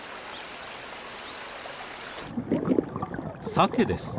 サケです。